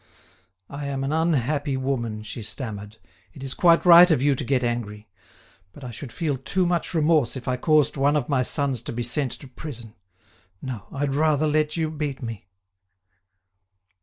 "I am an unhappy woman," she stammered; "it is quite right of you to get angry. But I should feel too much remorse if I caused one of my sons to be sent to prison. No; I'd rather let you beat me."